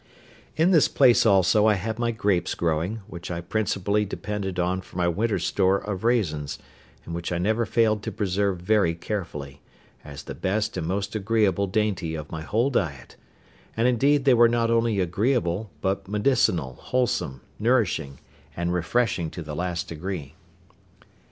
In this place also I had my grapes growing, which I principally depended on for my winter store of raisins, and which I never failed to preserve very carefully, as the best and most agreeable dainty of my whole diet; and indeed they were not only agreeable, but medicinal, wholesome, nourishing, and refreshing to the last degree.